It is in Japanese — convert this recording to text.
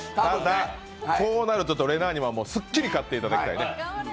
こうなると、れなぁにはすっきり勝ってもらいたい。